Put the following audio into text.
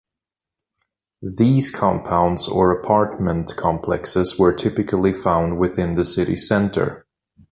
These compounds or apartment complexes were typically found within the city center.